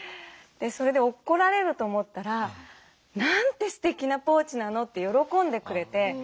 それで怒られると思ったら「なんてすてきなポーチなの」って喜んでくれて。